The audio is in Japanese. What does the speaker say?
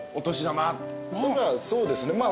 そうですね。